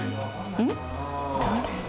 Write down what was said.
うん？